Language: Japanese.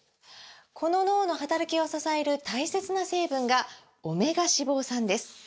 この脳の働きを支える大切な成分が「オメガ脂肪酸」です！